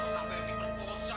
sampai ini berposa